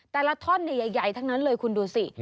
แต่ละท่อนใหญ่ทั้งนั้นเลยคุณดูสิ